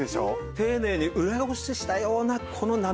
丁寧に裏ごししたようなこの滑らかさ。